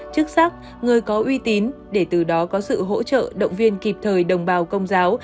chức sắc người có uy tín để từ đó có sự hỗ trợ động viên kịp thời đồng bào công giáo